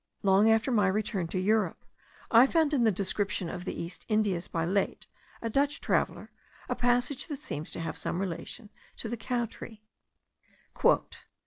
Long after my return to Europe, I found in the Description of the East Indies by Laet, a Dutch traveller, a passage that seems to have some relation to the cow tree.